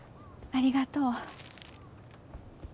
ありがとう。